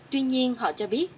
tuy nhiên họ cho biết